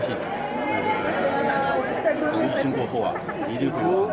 saya yakin di tiongkok setelah perjalanan ini